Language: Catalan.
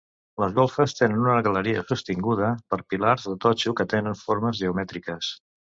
Les golfes tenen una galeria sostinguda per pilars de totxo que tenen formes geomètriques.